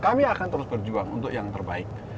kami akan terus berjuang untuk yang terbaik